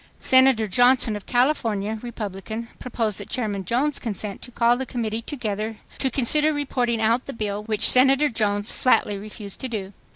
Senator Johnson of California, Republican, proposed that Chairman Jones consent to call the Committee together to consider reporting out the bill, which Senator Jones flatly refused to do.